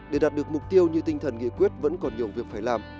để đạt được mục tiêu như tinh thần nghị quyết vẫn còn nhiều việc phải làm